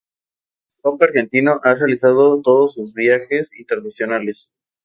Con el Papa argentino ha realizado todos sus viajes internacionales.